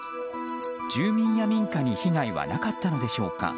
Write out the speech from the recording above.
住民や民家に被害はなかったのでしょうか。